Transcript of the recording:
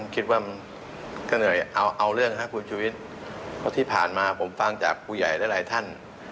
คิดว่ามันก็เหนื่อยเอาเรื่องนะครับคุณชุวิตเพราะที่ผ่านมาผมฟังจากผู้ใหญ่หลายท่าน